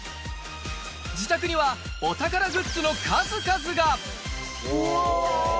自宅にはお宝グッズの数々がわ！